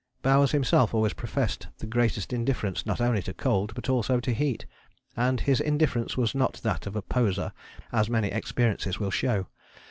Bowers himself always professed the greatest indifference not only to cold, but also to heat, and his indifference was not that of a 'poseur,' as many experiences will show.